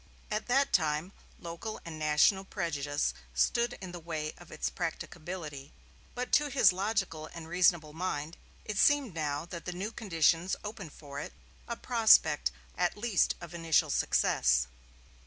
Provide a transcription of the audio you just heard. At that time local and national prejudice stood in the way of its practicability; but to his logical and reasonable mind it seemed now that the new conditions opened for it a prospect at least of initial success.